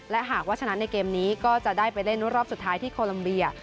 และหากว่าชนะในเกมนี้ก็จะได้ไปเล่นรอบสุดท้ายที่โคลัมเบีย